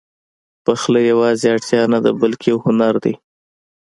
پخلی یواځې اړتیا نه ده، بلکې یو هنر دی.